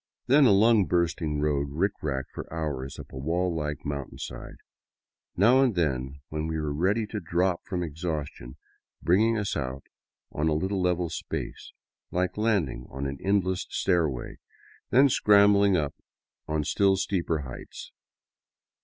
Then a lung bursting road rick racked for hours up a wall like mountainside, now and then, when we were ready to drop from exhaustion, bringing us out on a little level space, like a landing on an endless stairway, then scrambling on up still steeper heights.